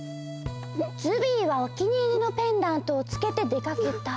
ズビーはお気に入りのペンダントをつけて出かけた。